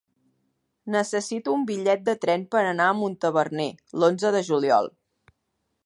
Necessito un bitllet de tren per anar a Montaverner l'onze de juliol.